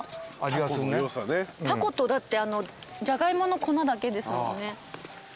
タコとだってジャガイモの粉だけですもんね。